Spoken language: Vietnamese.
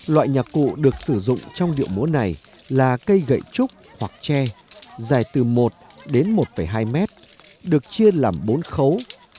loại nhạc cụ được sử dụng trong điệu múa này là cây gậy trúc hoặc tre dài từ một đến một hai mét được chia làm bốn khấu